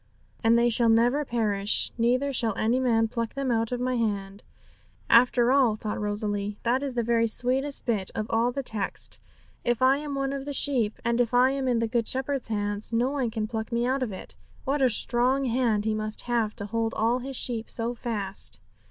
'And they shall never perish, neither shall any man pluck them out of My hand.' 'After all,' thought Rosalie, 'that is the very sweetest bit of all the text. If I am one of the sheep, and if I am in the Good Shepherd's hand, no one can pluck me out of it. What a strong hand He must have to hold all His sheep so fast!'